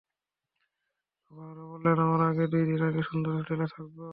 বাবা আরও বললেন, আমরা প্রাগে দুই দিন একটি সুন্দর হোটেলে থাকব।